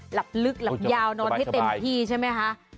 หลับลึกหลับยาวนอนให้เต็มที่ใช่ไหมคะ